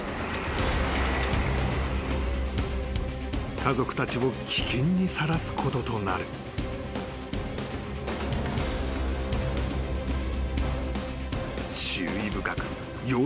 ［家族たちを危険にさらすこととなる］［注意深く様子をうかがうボス］